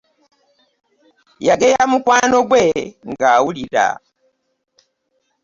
Yageya mukwano gwe nga awulira.